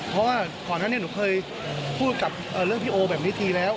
เพราะว่าก่อนนั้นหนูเคยพูดกับเรื่องพี่โอแบบนี้ทีแล้ว